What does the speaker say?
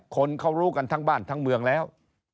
คนเขารู้กันทั้งบ้านทั้งเมืองแล้ว